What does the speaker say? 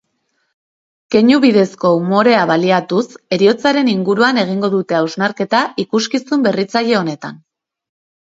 Keinu bidezko umorea baliatuz heriotzaren inguruan egingo dute hausnarketa ikuskizun berritzaile honetan.